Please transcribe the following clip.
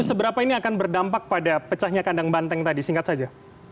seberapa ini akan berdampak pada pecahnya kandang banteng tadi singkat saja